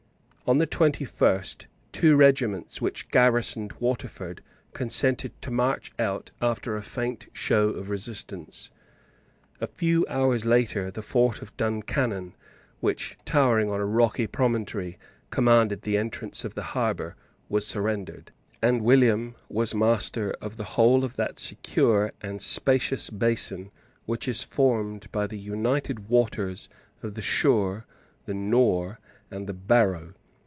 On the twenty first two regiments which garrisoned Waterford consented to march out after a faint show of resistance; a few hours later, the fort of Duncannon, which, towering on a rocky promontory, commanded the entrance of the harbour, was surrendered; and William was master of the whole of that secure and spacious basin which is formed by the united waters of the Suir, the Nore and the Barrow.